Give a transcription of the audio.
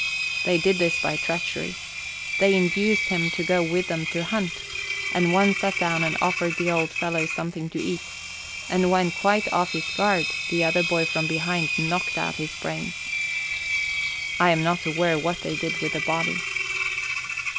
They did this by treachery. They induced him to go with them to hunt, and one sat down and offered the old fellow something to eat, and when quite off his guard the other boy from behind knocked out his brains. I am not aware what they did with the body.